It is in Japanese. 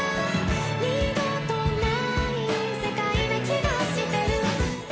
「二度とない世界な気がしてる」